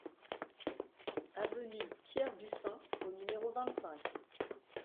Avenue Pierre Buffin au numéro vingt-cinq